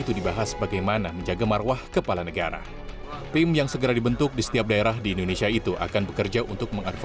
tim pembela jokowi